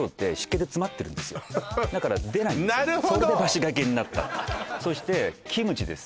それでバシがけになったそしてキムチです